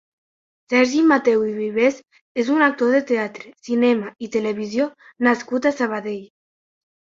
Sergi Mateu i Vives és un actor de teatre, cinema i televisió nascut a Sabadell.